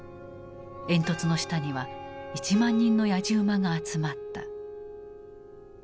煙突の下には１万人のやじ馬が集まった。